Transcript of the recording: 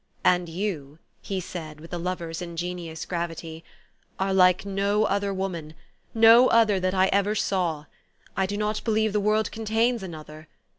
" And 3 T ou," he said, with a lover's ingenious grav ity, "are like no other woman, no other that I ever saw. I do not believe the world contains another.